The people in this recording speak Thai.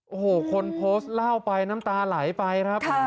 โอ้โหคนโพสต์เล่าไปน้ำตาไหลไปครับ